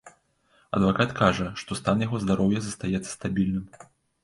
Адвакат кажа, што стан яго здароўя застаецца стабільным.